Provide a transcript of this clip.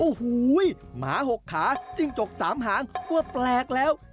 โอ้โหหมา๖ขาจิ้งจก๓หางว่าแปลกแล้ว